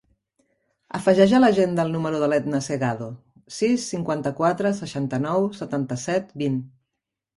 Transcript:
Afegeix a l'agenda el número de l'Edna Segado: sis, cinquanta-quatre, seixanta-nou, setanta-set, vint.